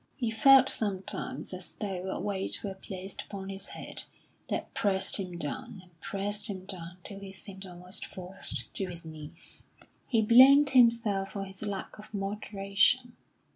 He felt sometimes as though a weight were placed upon his head, that pressed him down, and pressed him down till he seemed almost forced to his knees. He blamed himself for his lack of moderation.